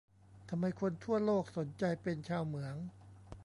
ทำไมคนทั่วโลกสนใจเป็นชาวเหมือง